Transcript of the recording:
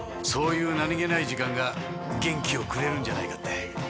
そういう何げない時間が元気をくれるんじゃないかって。